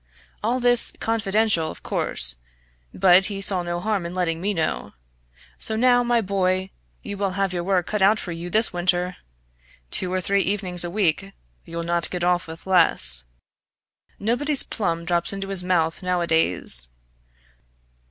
All this confidential, of course; but he saw no harm in letting me know. So now, my boy, you will have your work cut out for you this winter! Two or three evenings a week you'll not get off with less. Nobody's plum drops into his mouth nowadays.